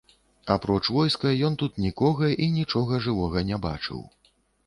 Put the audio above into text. Апроч войска, ён тут нікога і нічога жывога не бачыў.